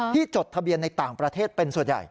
จดทะเบียนในต่างประเทศเป็นส่วนใหญ่